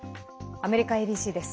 アメリカＡＢＣです。